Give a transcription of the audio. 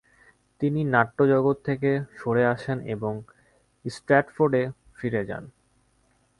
তিনি নাট্যজগৎ থেকে সরে আসেন এবং স্ট্র্যাটফোর্ডে ফিরে যান।